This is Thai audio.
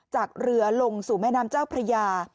จากเรือลงสู่แม่น้ำเจ้าพระยา